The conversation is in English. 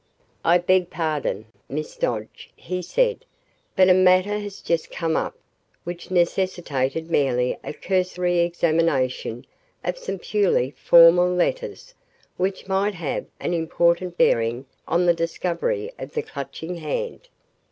"I beg pardon, Miss Dodge," he said, "but a matter has just come up which necessitated merely a cursory examination of some purely formal letters which might have an important bearing on the discovery of the Clutching Hand.